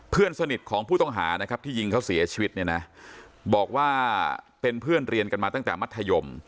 เพื่อนสนิทของผู้ต้องหานะครับที่ยิงเขาเสียชีวิตเนี่ยนะบอกว่าเป็นเพื่อนเรียนกันมาตั้งแต่มัธยม